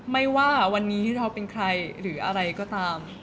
ไม่ว่าวันนี้เราเป็นใครหรืออะไรก็ตาม